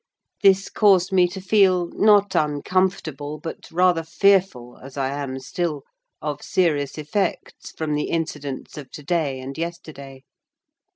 This caused me to feel, not uncomfortable, but rather fearful (as I am still) of serious effects from the incidents of to day and yesterday.